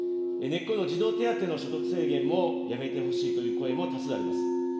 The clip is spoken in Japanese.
根っこの児童手当の所得制限もやめてほしいという声も多数あります。